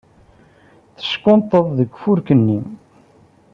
Teckunṭeḍ deg ufurk-nni.